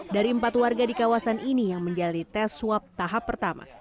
dari empat warga di kawasan ini yang menjalani tes swab tahap pertama